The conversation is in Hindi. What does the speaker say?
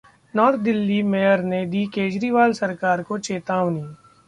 नॉर्थ दिल्ली मेयर ने दी केजरीवाल सरकार को चेतावनी